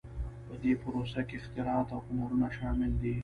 په دې پروسه کې اختراعات او هنرونه شامل دي.